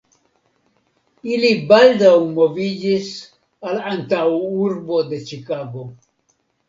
Ili baldaŭ moviĝis al antaŭurbo de Ĉikago.